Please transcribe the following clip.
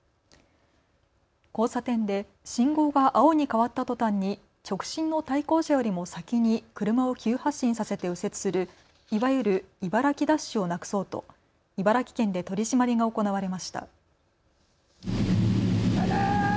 交差点で信号が青に変わったとたんに直進の対向車よりも先に車を急発進させて右折するいわゆる茨城ダッシュをなくそうと茨城県で取締りが行われました。